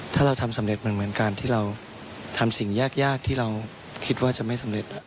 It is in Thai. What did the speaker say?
ถ้าเราทำสำเร็จมันเหมือนการที่เราทำสิ่งยากที่เราคิดว่าจะไม่สำเร็จ